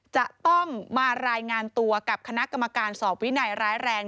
จะต้องมารายงานตัวกับคณะกรรมการสอบวินัยร้ายแรง